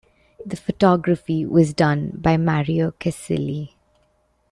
The photography was done by Mario Casilli.